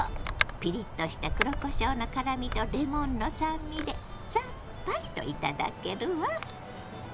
ピリッとした黒こしょうの辛みとレモンの酸味でさっぱりと頂けるわ。